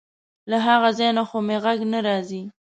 له هغه ځای نه خو مې غږ نه راځي.